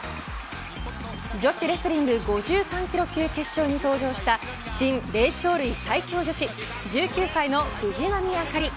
女子レスリング５３キロ級決勝に登場した新霊長類最強女子１９歳の藤波朱理。